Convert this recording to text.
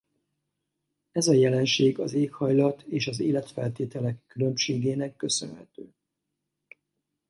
Ez a jelenség az éghajlat és az életfeltételek különbségének köszönhető.